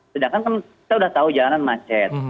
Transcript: sedangkan kan kita sudah tahu jalanan macet